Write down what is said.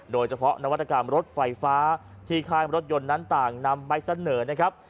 โดยเฉพาะนวัตกรรมรถไฟฟ้าที่ค่ายรถยนต์นั้นต่างนำใบเสนอนะครับ